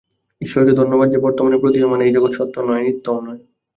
ঈশ্বরকে ধন্যবাদ যে, বর্তমানে প্রতীয়মান এই জগৎ সত্য নয়, নিত্যও নয়।